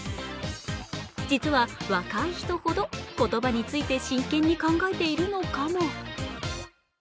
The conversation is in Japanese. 実は若い人ほど言葉について真剣に考えているのかも。